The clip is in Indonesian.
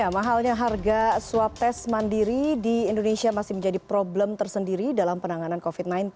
mahalnya harga swab tes mandiri di indonesia masih menjadi problem tersendiri dalam penanganan covid sembilan belas